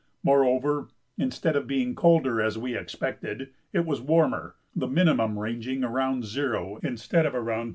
Moreover, instead of being colder, as we expected, it was warmer, the minimum ranging around zero instead of around 10° below.